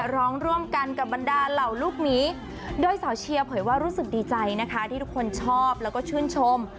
ร้องร่วมกันกับบรรดาเหล่าลูกหมีโดยสาวเชียร์เผยว่ารู้สึกดีใจนะคะที่ทุกคนชอบแล้วก็ชื่นชม